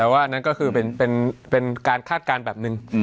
แต่ว่านั่นก็คือเป็นการคาดการณ์แบบหนึ่ง